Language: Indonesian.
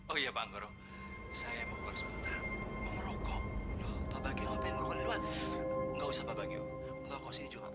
oh iya bangoro saya mau bersekolah ngerokok nggak usah pak gio